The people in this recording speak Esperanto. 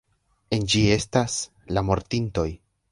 En ĝi estas... la mortintoj!